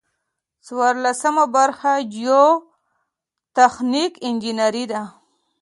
څلورمه برخه جیوتخنیک انجنیری ده.